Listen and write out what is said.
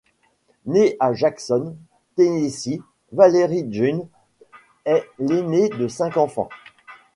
Née à Jackson, Tennessee, Valerie June est l'aînée de cinq enfants.